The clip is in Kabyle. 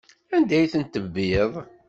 Anda ay ten-tebbiḍ?